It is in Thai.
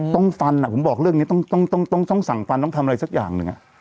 ต้องฟันผมบอกเรื่องนี้ต้องสั่งฟันต้องทำอะไรสักอย่างหนึ่ง